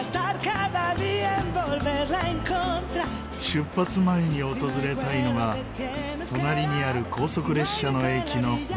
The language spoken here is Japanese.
出発前に訪れたいのが隣にある高速列車の駅の待合所。